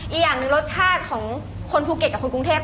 อีกอย่างหนึ่งรสชาติของคนภูเก็ตกับคนกรุงเทพ